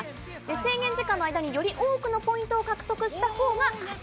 制限時間の間に、より多くのポイントを獲得したほうが勝ち。